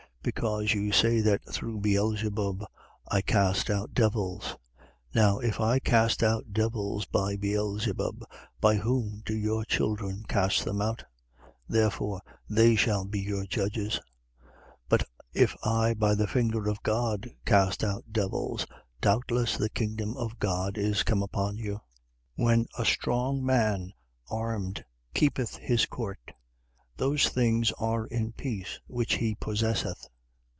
Because you say that through Beelzebub I cast out devils. 11:19. Now if I cast out devils by Beelzebub, by whom do your children cast them out? Therefore, they shall be your judges. 11:20. But if I by the finger of God cast out devils, doubtless the kingdom of God is come upon you. 11:21. When a strong man armed keepeth his court, those things are in peace which he possesseth.